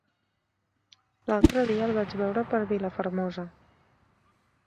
L'altre dia el vaig veure per Vilafermosa.